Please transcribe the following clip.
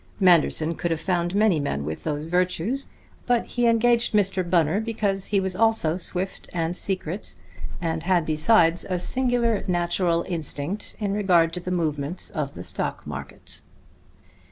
Manderson could have found many men with those virtues: but he engaged Mr. Bunner because he was also swift and secret, and had besides a singular natural instinct in regard to the movements of the stock market.